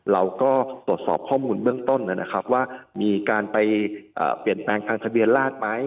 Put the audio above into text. เราก็ตรวจสอบข้อมูลเบื้องต้นนะครับว่ามีการไปเปลี่ยนแปลงทางทะเบียนราชไหม